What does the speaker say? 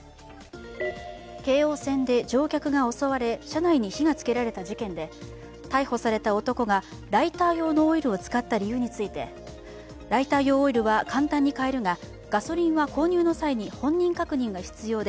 京王線で乗客が襲われ、車内に火がつけられた事件で逮捕された男が、ライター用のオイルを使った理由についてライター用オイルは簡単に買えるがガソリンは購入の際に本人確認が必要で